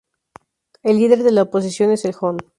El líder de la oposición es el Hon.